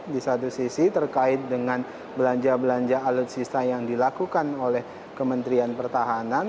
di satu sisi terkait dengan belanja belanja alutsista yang dilakukan oleh kementerian pertahanan